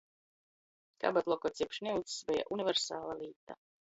Kabatlokots jeb šniucs beja universala līta.